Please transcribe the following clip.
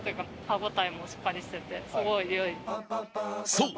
そう